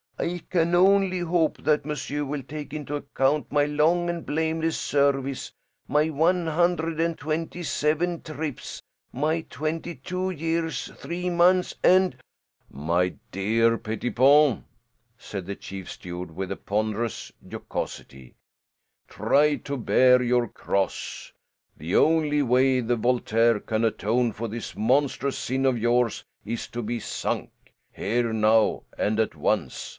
I can only hope that monsieur will take into account my long and blameless service, my one hundred and twenty seven trips, my twenty two years, three months and " "My dear Pettipon," said the chief steward with a ponderous jocosity, "try to bear your cross. The only way the Voltaire can atone for this monstrous sin of yours is to be sunk, here, now and at once.